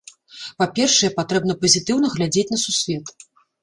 Па-першае патрэбна пазітыўна глядзець на сусвет.